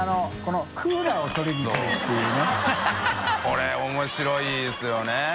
これ面白いですよね。